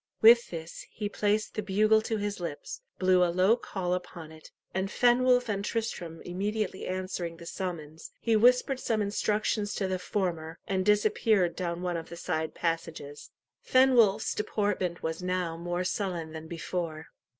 With this he placed the bugle to his lips, blew a low call upon it, and Fenwolf and Tristram immediately answering the summons, he whispered some instructions to the former, and disappeared down one of the side passages. Fenwolf's, deportment was now more sullen than before.